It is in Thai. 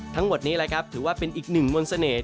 ทั้งหมดนี้แหละครับถือว่าเป็นอีกหนึ่งมนต์เสน่ห